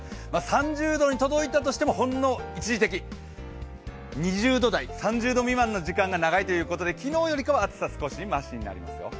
３０度に届いたとしてもほんの一時的、３０度未満の時間が長いということで、昨日よりかは暑さ、少しましになりますよ。